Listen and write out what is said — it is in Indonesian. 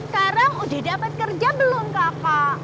sekarang udah dapat kerja belum kakak